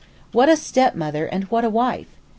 What a stepmother and what a wife!